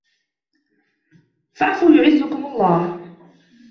فَاعْفُوا يُعِزُّكُمْ اللَّهُ